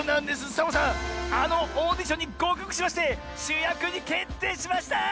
サボさんあのオーディションにごうかくしましてしゅやくにけっていしました！